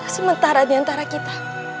sementara diantara kita